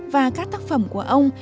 và các tác phẩm của ông